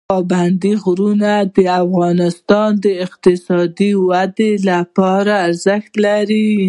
پابندي غرونه د افغانستان د اقتصادي ودې لپاره ارزښت لري.